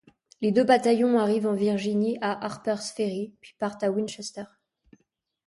Les deux bataillons arrivent en Virginie à Harper's Ferry, puis partent à Winchester.